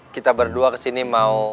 kita berdua kesini mau